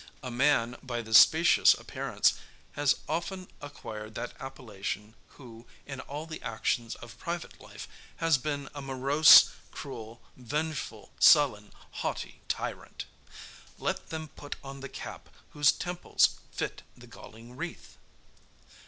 A man, by this specious appearance, has often acquired that appellation who, in all the actions of private life, has been a morose, cruel, revengeful, sullen, haughty tyrant. Let them put on the cap, whose temples fit the galling wreath!